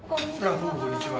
どうもこんにちは。